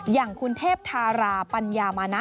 อย่างคุณเทพธาราปัญญามานะ